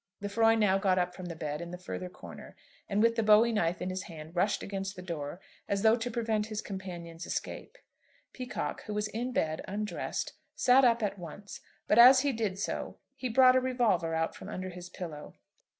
Lefroy now got up from the bed in the further corner, and with the bowie knife in his hand rushed against the door as though to prevent his companion's escape. Peacocke, who was in bed undressed, sat up at once; but as he did so he brought a revolver out from under his pillow.